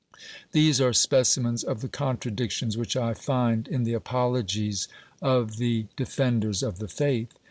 These are specimens of the contradictions which I find in the apologies of the defenders of the faith.